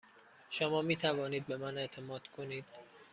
شما می توانید به من اعتماد کنید.